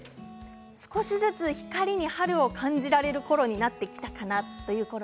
少しずつ光に春を感じられるころになっていきました。